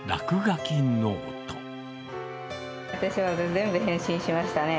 私は全部返信しましたね。